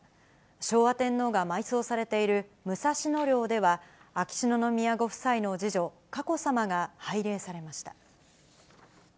昭和天皇が埋葬されている武蔵野陵では、秋篠宮ご夫妻の次女、佳子さまが拝礼されました。